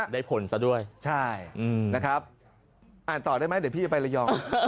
ได้ผลซะด้วยใช่นะครับอ่านต่อได้ไหมเดี๋ยวพี่จะไประยอง